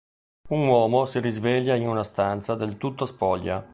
Un uomo si risveglia in una stanza del tutto spoglia.